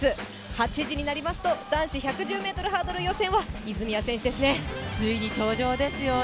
８時になりますと男子１１０ｍハードル予選は泉谷選手が登場ですね。